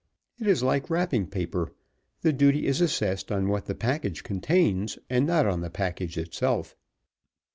It is like wrapping paper. The duty is assessed on what the package contains and not on the package itself.